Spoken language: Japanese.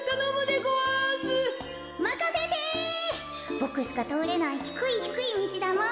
ボクしかとおれないひくいひくいみちだもん。